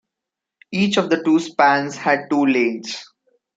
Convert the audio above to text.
Each of the two spans had two lanes.